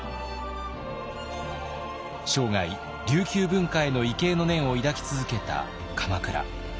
生涯琉球文化への畏敬の念を抱き続けた鎌倉。